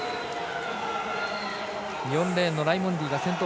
４レーンのライモンディが先頭。